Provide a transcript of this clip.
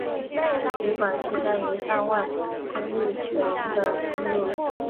胰管是将胰脏外分泌腺的分泌物。